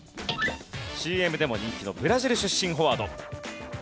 ＣＭでも人気のブラジル出身フォワード。